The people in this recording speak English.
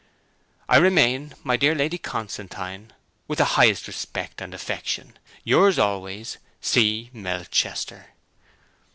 'I remain, my dear Lady Constantine, with the highest respect and affection, Yours always, 'C. MELCHESTER.'